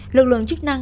lực lượng chức năng